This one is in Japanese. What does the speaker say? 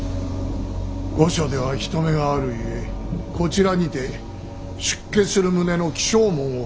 御所では人目があるゆえこちらにて出家する旨の起請文を書いていただく。